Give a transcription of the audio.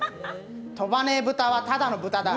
飛ばねぇ豚はただの豚だ。